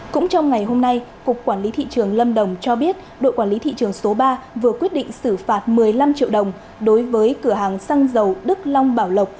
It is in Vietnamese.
cũng trong ngày hôm nay cục quản lý thị trường lâm đồng cho biết đội quản lý thị trường số ba vừa quyết định xử phạt một mươi năm triệu đồng đối với cửa hàng xăng dầu đức long bảo lộc